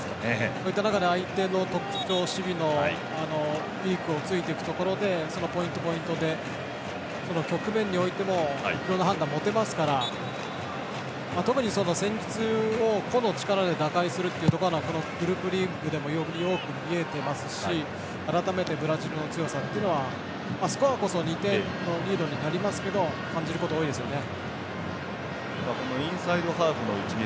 そういった中で相手の特徴、守備のウィークをついていくところでそのポイント、ポイントで局面においてもいろんな判断が持てますから特に戦術を個の力で打開するっていうのがグループリーグでもより多く、見えていますし改めてブラジルの強さっていうのはスコアこそ２点のリードになりますけど感じること多いですよね。